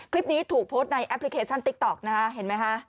คลิปนี้ถูกโพสต์ในแอปพลิเคชันติ๊กต๊อกนะฮะเห็นไหมฮะ